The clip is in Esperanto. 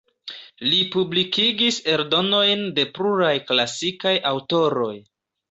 Li publikigis eldonojn de pluraj klasikaj aŭtoroj.